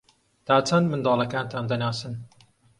تا چەند منداڵەکانتان دەناسن؟